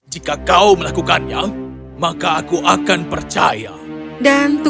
jika kau melakukannya maka aku akan percaya